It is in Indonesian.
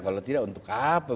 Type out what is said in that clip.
kalau tidak untuk apa